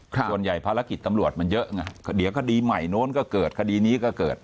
ส่วนใหญ่ภารกิจตำรวจมันเยอะไงเดี๋ยวคดีใหม่โน้นก็เกิดคดีนี้ก็เกิด